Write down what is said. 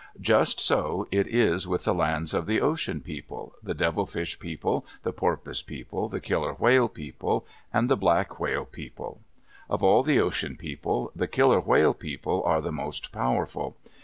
Just so it is with the lands of the Ocean People—the Devilfish People, the Porpoise People, the Killer Whale People, and the Black Whale People. Of all the Ocean People the Killer Whale People are the most powerful.